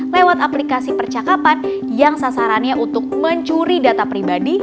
lewat aplikasi percakapan yang sasarannya untuk mencuri data pribadi